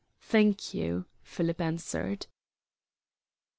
"Thank you," Philip answered.